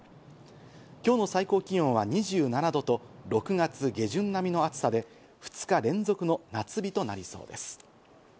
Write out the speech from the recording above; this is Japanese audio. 今日の最高気温は２７度と６月下旬並みの暑さで、２日連続の夏日となりそうです。